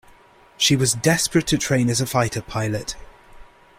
She was desperate to train as a fighter pilot.